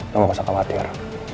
lo gak usah khawatir